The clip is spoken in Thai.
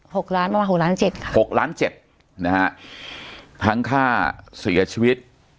หกล้านประมาณหกล้านเจ็ดค่ะหกล้านเจ็ดนะฮะทั้งค่าเสียชีวิต